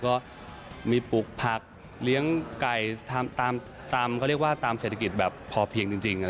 ก็มีปลูกผักเลี้ยงไก่ทำตามเศรษฐกิจแบบพอเพียงจริง